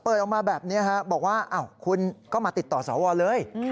เออเปิดออกมาแบบนี้บอกว่าคุณก็มาติดต่อสอวอเลย